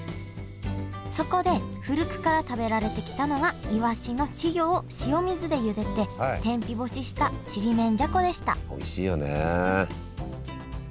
そこで古くから食べられてきたのがイワシの稚魚を塩水で茹でて天日干ししたちりめんじゃこでしたおいしいよね。